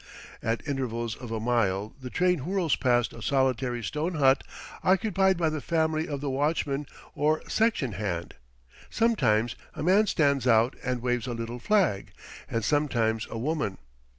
At intervals of a mile the train whirls past a solitary stone hut occupied by the family of the watchman or section hand. Sometimes a man stands out and waves a little flag, and sometimes a woman.